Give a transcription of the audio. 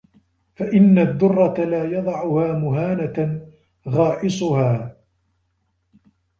فَإِنَّ الدُّرَّةَ لَا يَضَعُهَا مُهَانَةً غَائِصُهَا